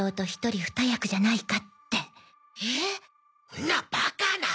んなバカな。